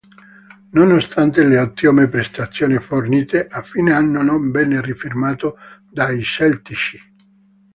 Nonostante le ottime prestazioni fornite, a fine anno non venne rifirmato dai celtici.